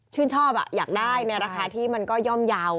ชื่นชอบอ่ะอยากได้ในราคาที่มันก็ย่อมยาว